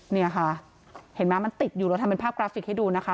เนี่ยค่ะเห็นไหมมันติดอยู่เราทำเป็นภาพกราฟิกให้ดูนะคะ